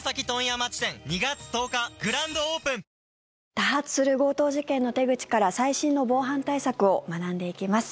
多発する強盗事件の手口から最新の防犯対策を学んでいきます。